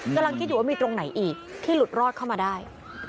กำลังคิดอยู่ว่ามีตรงไหนอีกที่หลุดรอดเข้ามาได้